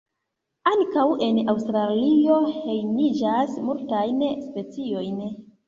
Ankaŭ en Aŭstralio hejmiĝas multajn speciojn.